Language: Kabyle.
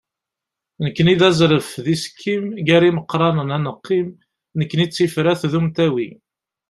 nekkni d azref d isekkim, gar imeqranen ad neqqim, nekkni d tifrat d umtawi.